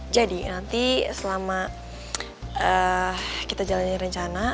jadi nanti selama kita jalani rencana